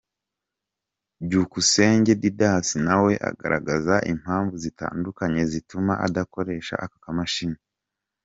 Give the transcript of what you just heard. Byukusenge Didas nawe agaragaza impamvu zitandukanye zituma adakoresha aka kamashini.